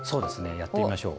やってみましょう。